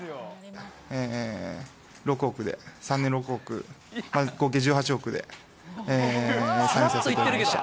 えー、６億で、３年６億、合計１８億で、サインさせていただきました。